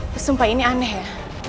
aku sumpah ini aneh ya